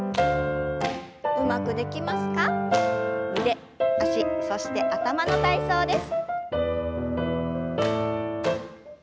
腕脚そして頭の体操です。